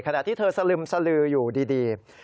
ขณะที่เธอสลึมสลืออยู่ดี